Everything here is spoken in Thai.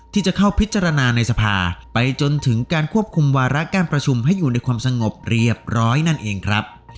ที่จะเข้าพิจารณาในสภาไปจนถึงการควบคุมวาระการประชุมให้อยู่ในความสงบเรียบร้อยนั่นเองครับ